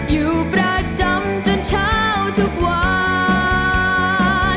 อยู่ประจำจนเช้าทุกวัน